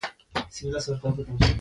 ژبه د شعر او سندرو الهام ده